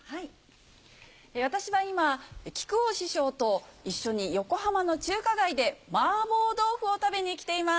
私は今木久扇師匠と一緒に横浜の中華街で麻婆豆腐を食べに来ています。